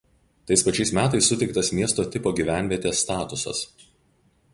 Tais pačiais metais suteiktas miesto tipo gyvenvietės statusas.